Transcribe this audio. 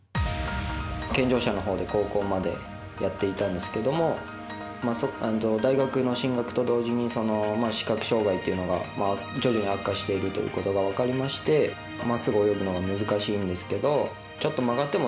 健常者のほうで高校までやっていたんですけども大学の進学と同時に視覚障がいというのが徐々に悪化しているということが分かりましてまっすぐ泳ぐのは難しいんですがちょっと曲がっても